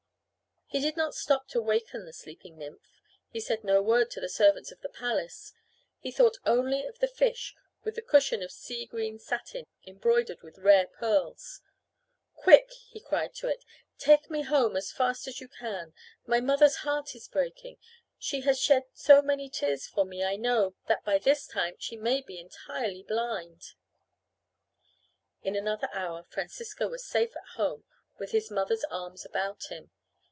He did not stop to waken the sleeping nymph. He said no word to the servants of the palace. He thought only of the fish with the cushion of sea green satin embroidered with rare pearls. "Quick!" he cried to it. "Take me home as fast as you can! My mother's heart is breaking! She has shed so many tears for me, I know, that by this time she may be entirely blind." [Illustration: "Take me home as fast as you can!"] In another hour Francisco was safe at home with his mother's arms about him.